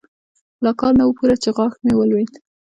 لا کال نه و پوره چې غاښ مې ولوېد.